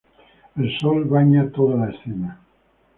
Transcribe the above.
El sol baña toda la escena.